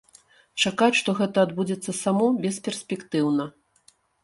Чакаць, што гэта адбудзецца само, бесперспектыўна.